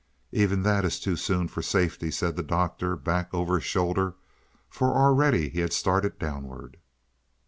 "Even that is too soon for safety," said the Doctor back over his shoulder, for already he had started downward.